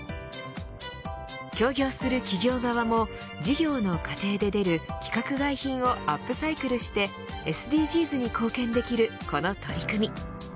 協業する企業側も事業の過程から出る規格外品をアップサイクルしてＳＤＧｓに貢献できる、この取り組み。